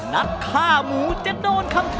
นักฆ่าหมูจะโดนคำถาม